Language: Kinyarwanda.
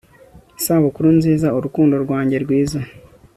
isabukuru nziza, urukundo rwanjye rwiza